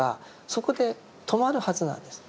そこで止まるはずなんです。